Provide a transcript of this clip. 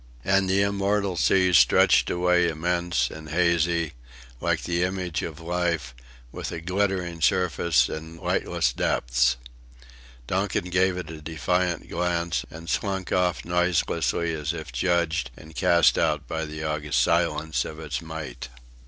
And the immortal sea stretched away immense and hazy, like the image of life, with a glittering surface and lightless depths. Donkin gave it a defiant glance and slunk off noiselessly as if judged and cast out by the august silence of its might.